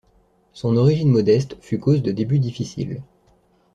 Son origine modeste fut cause de débuts difficiles.